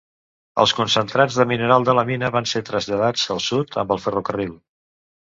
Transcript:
Els concentrats de mineral de la mina van ser traslladats al sud amb el ferrocarril.